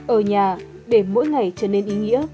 ở nhà để mỗi ngày trở nên ý nghĩa